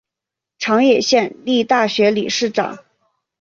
长野县立大学理事长。